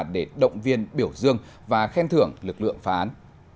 để động viên biểu dương và khen thưởng lực lượng phá án